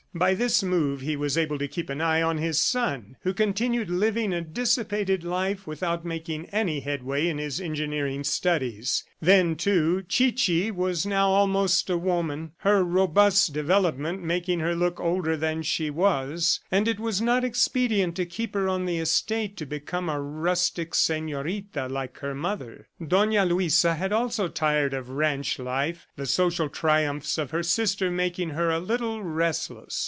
By this move, he was able to keep an eye on his son who continued living a dissipated life without making any headway in his engineering studies. Then, too, Chichi was now almost a woman her robust development making her look older than she was and it was not expedient to keep her on the estate to become a rustic senorita like her mother. Dona Luisa had also tired of ranch life, the social triumphs of her sister making her a little restless.